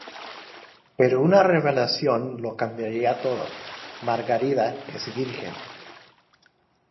Pero una revelación lo cambiará todo: Margarida es virgen.